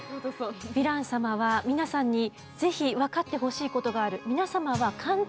ヴィラン様は皆さんにぜひわかってほしいことがある。